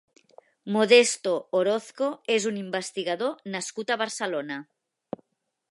Modesto Orozco és un investigador nascut a Barcelona.